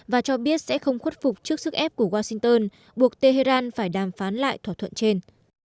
và cho biết sẽ không khuất phục trước sức ép của washington buộc tehran phải đàm phán lại thỏa thuận trên